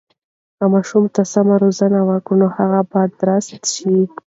که ماشوم ته سمه روزنه ورکړو، نو هغه به درست شي.